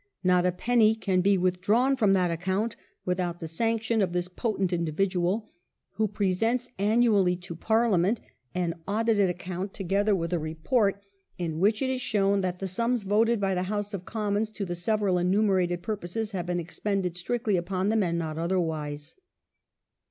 Not a penny can be withdrawn from that account without the sanction of this potent individual, who presents annually to Parliament an audited account together with a report, in which it is shown that the sums voted by the House of Commons to the several enumerated purposes have been expended strictly upon them and not otherwise.